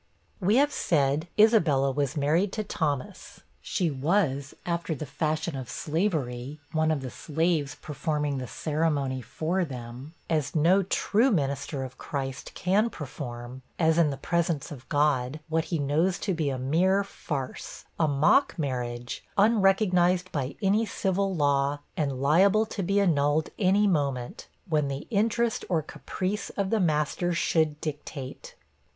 We have said, Isabella was married to Thomas she was, after the fashion of slavery, one of the slaves performing the ceremony for them; as no true minister of Christ can perform, as in the presence of God, what he knows to be a mere farce, a mock marriage, unrecognised by any civil law, and liable to be annulled any moment, when the interest or caprice of the master should dictate.